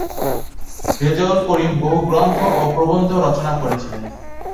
রেজাউল করিম বহু গ্রন্থ ও প্রবন্ধ রচনা করেছিলেন।